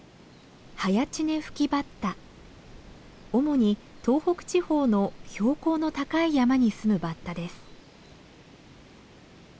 主に東北地方の標高の高い山に住むバッタです。